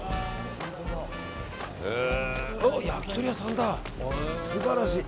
焼き鳥屋さんだ。